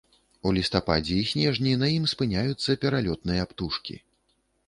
У лістападзе і снежні на ім спыняюцца пералётныя птушкі.